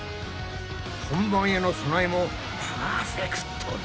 本番への備えもパーフェクトだ！